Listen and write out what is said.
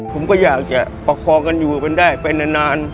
ผมก็อยากจะประคองกันอยู่มันได้ไปนาน